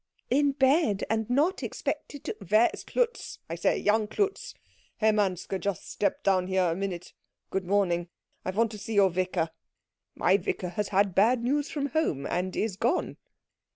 In bed, and not expected to " "Where's Klutz, I say young Klutz? Herr Manske, just step down here a minute good morning. I want to see your vicar." "My vicar has had bad news from home, and is gone."